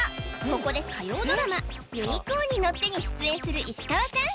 ここで火曜ドラマ「ユニコーンに乗って」に出演する石川さん